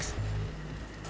kita tau dari mana